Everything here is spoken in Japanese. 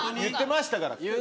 言ってましたから。